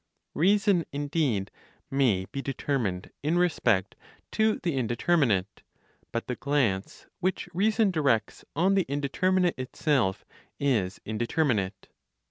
Reason, indeed, may be determined in respect to the indeterminate; but the glance which reason directs on the indeterminate itself is indeterminate.